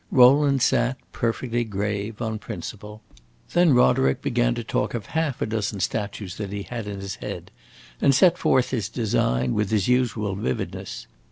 Rowland sat perfectly grave, on principle. Then Roderick began to talk of half a dozen statues that he had in his head, and set forth his design, with his usual vividness.